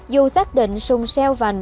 dù xác định sùng xeo vành